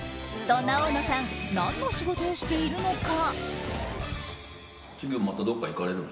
そんな大野さん何の仕事をしているのか。